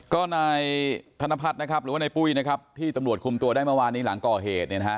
ก็นายธนพัฒน์นะครับหรือว่าในปุ้ยนะครับที่ตำรวจคุมตัวได้เมื่อวานนี้หลังก่อเหตุเนี่ยนะฮะ